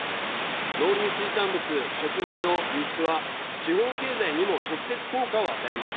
農林水産物、食品の輸出は地方経済にも直接効果を与えます。